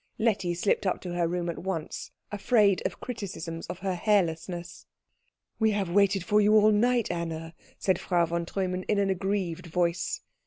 Letty slipped up to her room at once, afraid of criticisms of her hairlessness. "We have waited for you all night, Anna," said Frau von Treumann in an aggrieved voice.